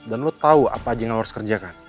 dan lo tau apa aja yang lo harus kerjakan